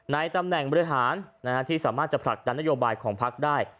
ตำแหน่งบริหารที่สามารถจะผลักดันนโยบายของพักได้